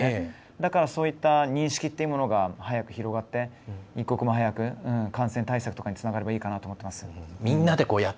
だから、そういった認識っていうものが早く広がって一刻も早く感染対策につながればいいなと思っています。